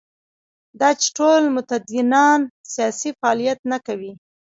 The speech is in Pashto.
دا چې ټول متدینان سیاسي فعالیت نه کوي.